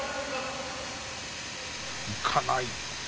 いかない。